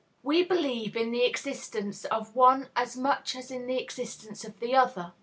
We believe in the existence of one as much as in the existence of the other.